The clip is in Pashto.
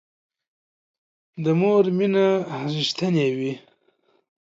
د مور مینه رښتینې وي